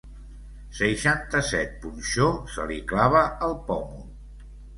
Seixanta-set punxó se li clava al pòmul.